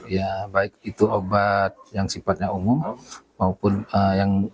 ya baik itu obat yang sifatnya umum maupun yang